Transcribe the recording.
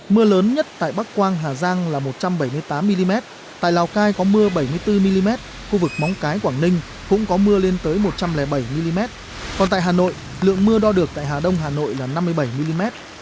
mưa lớn nhất tại bắc quang hà giang là một trăm bảy mươi tám mm tại lào cai có mưa bảy mươi bốn mm khu vực móng cái quảng ninh cũng có mưa lên tới một trăm linh bảy mm còn tại hà nội lượng mưa đo được tại hà đông hà nội là năm mươi bảy mm